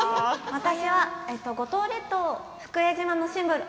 私は五島列島、福江島のシンボル